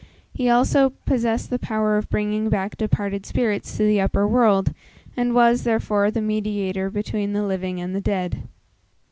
He also possessed the power of bringing back departed spirits to the upper world, and was, therefore, the mediator between the living and the dead.